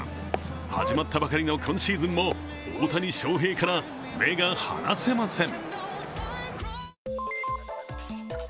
始まったばかりの今シーズンも大谷翔平から目が離せません。